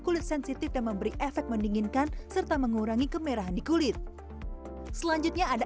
kulit sensitif dan memberi efek mendinginkan serta mengurangi kemerahan di kulit selanjutnya ada